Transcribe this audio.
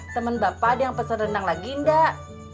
temen bapak ada yang pesan rendang lagi ndak